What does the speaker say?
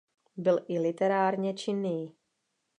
Byl i literárně činný.